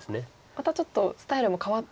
またちょっとスタイルも変わってきてる。